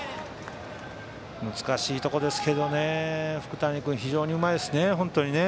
難しいところですが福谷君、非常にうまいですね。